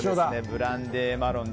ブランデーマロン。